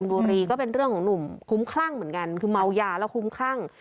บุรีก็เป็นเรื่องของหนุ่มคุ้มคลั่งเหมือนกันคือเมายาแล้วคุ้มคลั่ง